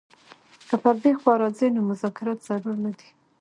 که پر دې خوا راځي نو مذاکرات ضرور نه دي.